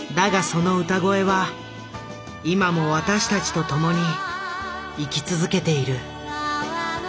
その歌声は今も私たちと共に生き続けている。